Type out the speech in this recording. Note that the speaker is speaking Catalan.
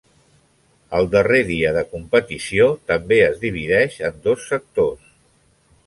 El darrer dia de competició també es divideix en dos sectors.